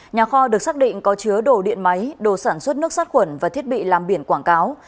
nhà kho được xác định có chứa đồ điện máy đồ sản xuất nước sát khuẩn và thiết bị làm biển quảng cáo